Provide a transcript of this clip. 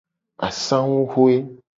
Asanguxue.